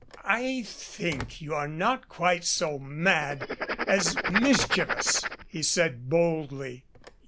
"I think you're not quite so mad as mischievous," he said boldly.